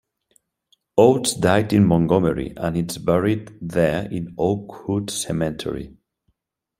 Oates died in Montgomery, and is buried there in Oakwood Cemetery.